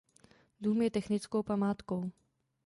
Dům je technickou památkou.